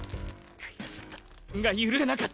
悔しかった。